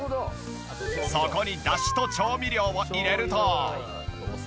そこに出汁と調味料を入れると。